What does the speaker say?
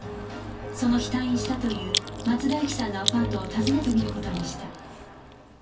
その日退院したという松田由紀さんのアパートを訪ねてみる事にした